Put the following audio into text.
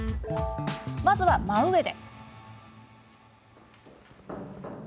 まずは真上で。